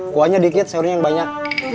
kuahnya dikit sayurnya yang banyak